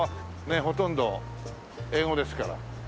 ほとんど英語ですから。